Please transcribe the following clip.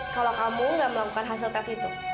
kalau kamu nggak melakukan hasil tes itu